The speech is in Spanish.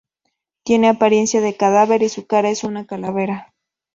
Tiene apariencia de cadáver y su cara es una calavera.